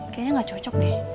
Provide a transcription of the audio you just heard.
kayaknya gak cocok deh